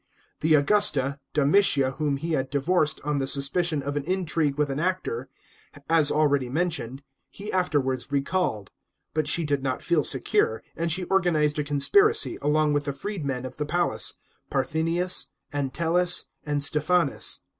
The Augusta, Domitia, whom he bad divorced on the suspicion of an intrigue with an actor, as already mentioned, he afterwards recalled ; but she did not feel secure, and she organised a conspiracy, along with the freedmen of the palace, Parthenius, Entellus, and Stephanus.